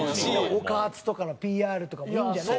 「岡アツ！」とかのＰＲとかもいいんじゃない？